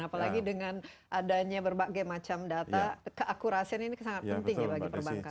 apalagi dengan adanya berbagai macam data keakurasian ini sangat penting ya bagi perbankan